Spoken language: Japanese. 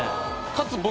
かつ僕。